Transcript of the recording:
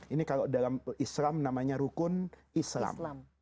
ini kalau dalam islam namanya rukun islam